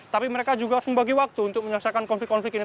tapi mereka juga membagi waktu untuk menyelesaikan konflik konflik ini